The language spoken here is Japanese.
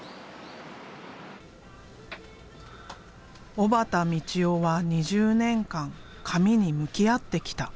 小幡海知生は２０年間紙に向き合ってきた。